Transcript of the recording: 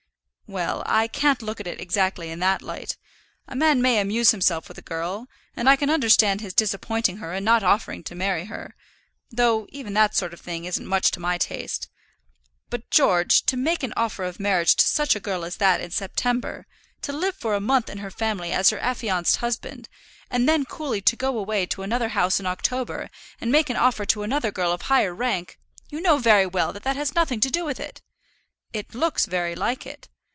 "Well; I can't look at it exactly in that light. A man may amuse himself with a girl, and I can understand his disappointing her and not offering to marry her, though even that sort of thing isn't much to my taste. But, by George, to make an offer of marriage to such a girl as that in September, to live for a month in her family as her affianced husband, and then coolly go away to another house in October, and make an offer to another girl of higher rank " "You know very well that that has had nothing to do with it." "It looks very like it.